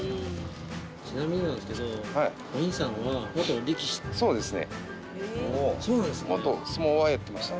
ちなみになんですけどお兄さんは元力士ですか？